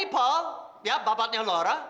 ini paul ya bapaknya lora